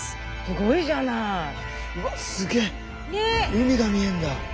海が見えるんだ。